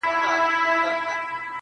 زړه لکه هينداره ښيښې گلي.